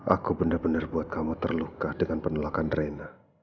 aku benar benar buat kamu terluka dengan penolakan drena